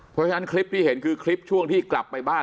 เพราะฉะนั้นคลิปที่เห็นคือคลิปช่วงที่กลับไปบ้าน